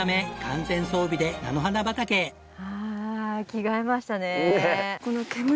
着替えましたね。